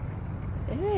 ええ。